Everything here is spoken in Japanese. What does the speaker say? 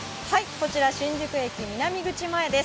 こちら、新宿駅南口前です。